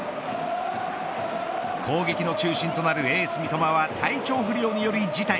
攻撃の中心となるエース三笘は体調不良により辞退。